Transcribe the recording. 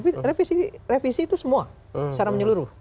tapi revisi itu semua secara menyeluruh